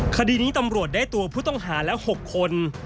คดีนี้ตำรวจได้ตัวผู้ต้องหาแล้ว๖คน